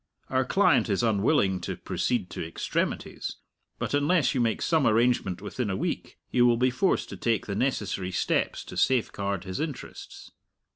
Our client is unwilling to proceed to extremities, but unless you make some arrangement within a week, he will be forced to take the necessary steps to safeguard his interests.